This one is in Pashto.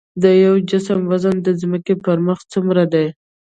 د یو جسم وزن د ځمکې پر مخ څومره دی؟